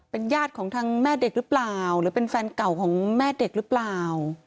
เป็นญาติของทางแม่เด็กหรือเปล่าหรือเป็นแฟนเก่าของแม่เด็กหรือเปล่า